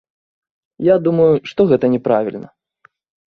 Я думаю, што гэта няправільна.